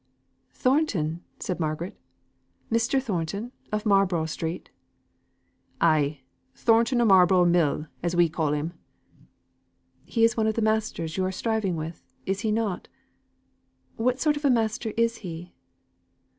"Thornton!" said Margaret. "Mr. Thornton of Marlborough Street?" "Aye! Thornton o' Marlborough Mill, as we call him." "He is one of the masters you are striving with, is he not? What sort of a master is he?"